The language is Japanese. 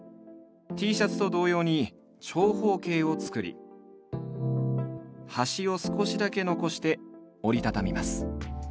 Ｔシャツと同様に長方形を作り端を少しだけ残して折りたたみます。